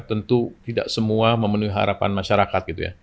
tentu tidak semua memenuhi harapan masyarakat